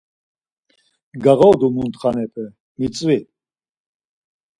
Gağodu mutxanepe mitzvi.